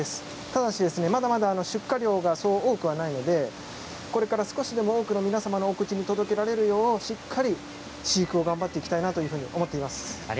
ただしまだまだ出荷量がそう多くはないのでこれから少しでも多くの皆さんのお口に届けられるようしっかり飼育を頑張っていきたいと思っています。